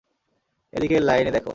এদিকের লাইনে দেখো।